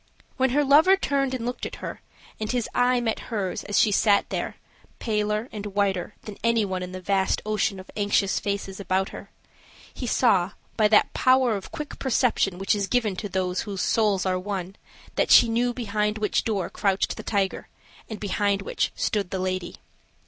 When her lover turned and looked at her, and his eye met hers as she sat there, paler and whiter than any one in the vast ocean of anxious faces about her, he saw, by that power of quick perception which is given to those whose souls are one, that she knew behind which door crouched the tiger, and behind which stood the lady.